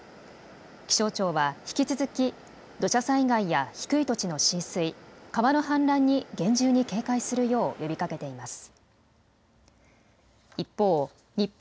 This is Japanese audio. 気象庁は引き続き土砂災害や低い土地の浸水、川の氾濫に厳重に警戒するよう呼びかけています。